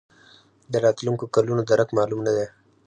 د راتلونکو کلونو درک معلوم نه دی.